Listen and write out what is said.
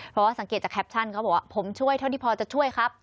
เพราะว่าสังเกตจากแคปชั่นเขาบอกว่าผมช่วยเท่าที่พอจะช่วยครับ